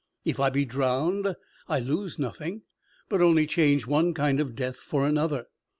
If I be drowned I lose nothing, but only change one kind of death for another."